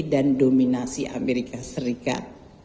dan dominasi amerika serikat